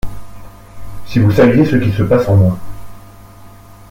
Si vous saviez ce qui se passe en moi.